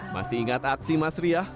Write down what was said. masih ingat aksi mas riah